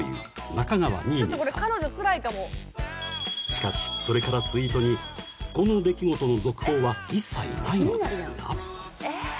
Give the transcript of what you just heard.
［しかしそれからツイートにこの出来事の続報は一切ないのですが］